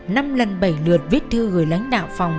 năm lần bảy lượt viết thư gửi lãnh đạo phòng